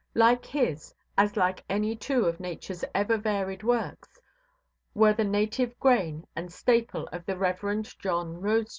Like his, as like any two of Natureʼs ever–varied works, were the native grain and staple of the Rev. John Rosedew.